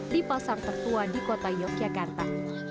di pasar tertua di kota yogyakarta